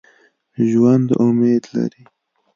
ژوندي امید لري